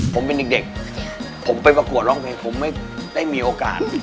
ผมเป็นเด็กผมไปประกวดร้องเพลงผมไม่ได้มีโอกาส